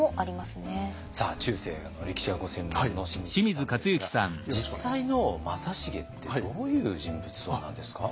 さあ中世の歴史がご専門の清水さんですが実際の正成ってどういう人物像なんですか？